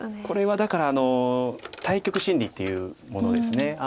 これはだから対局心理っていうものです。